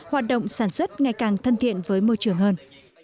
hoạt động sản xuất ngày càng thân thiện với môi trường hơn